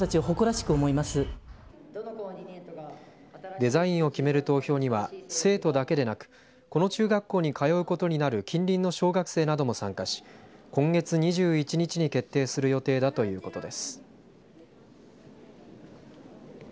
デザインを決める投票には生徒だけでなくこの中学校に通うことになる近隣の小学生なども参加し今月２１日に決定する予定だということです。